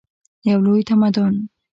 یو لوی تمدن.